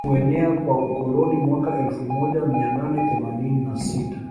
Kuenea kwa ukoloni Mwaka elfu moja mia nane themanini na sita